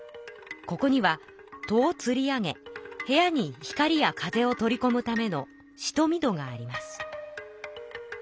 ここには戸をつり上げ部屋に光や風を取りこむためのしとみ戸があります。